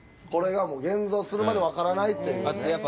これがもう現像するまでわからないというね。